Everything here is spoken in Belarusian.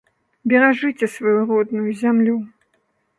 Беражыце сваю родную зямлю!